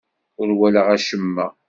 Ur walaɣ acemma.